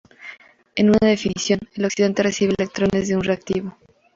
En una definición, el oxidante recibe electrones de un reactivo.